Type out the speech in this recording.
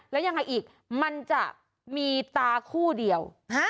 แล้วยังไงอีกมันจะมีตาคู่เดียว